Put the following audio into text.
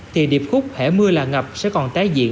thì điệp khúc hẻ mưa là ngập sẽ còn tái diễn không hồi kết